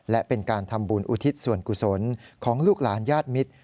และเป็นการทำบุญอุทิศส่วนกุศลของลูกหลานญาติมิตร